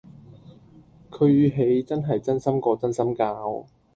佢語氣真係真心過真心膠